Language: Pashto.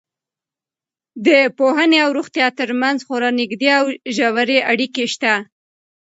د پوهنې او روغتیا تر منځ خورا نږدې او ژورې اړیکې شته.